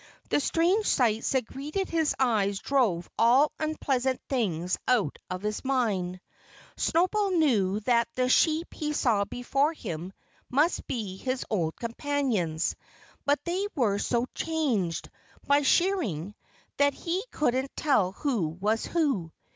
The strange sights that greeted his eyes drove all unpleasant things out of his mind. Snowball knew that the sheep he saw before him must be his old companions. But they were so changed, by shearing, that he couldn't tell who was who.